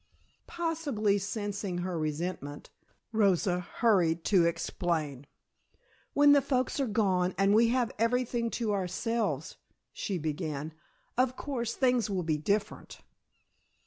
Possibly sensing her resentment, Rosa hurried to explain. "When the folks are gone and we have everything to ourselves," she began, "of course, things will be different."